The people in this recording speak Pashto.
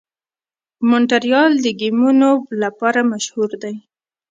مونټریال د ګیمونو لپاره مشهور دی.